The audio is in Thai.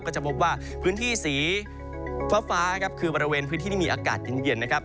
ก็จะพบว่าพื้นที่สีฟ้าครับคือบริเวณพื้นที่ที่มีอากาศเย็นนะครับ